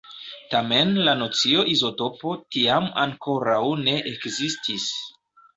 Tamen la nocio "izotopo" tiam ankoraŭ ne ekzistis.